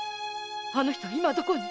あの人は今どこに？